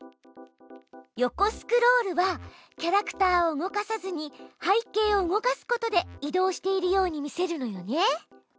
横スクロールはキャラクターを動かさずに背景を動かすことで移動しているように見せるのよね。